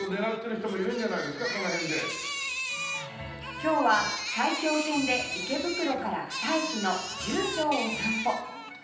今日は埼京線で池袋から２駅の十条を散歩